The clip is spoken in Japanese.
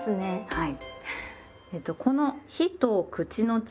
はい。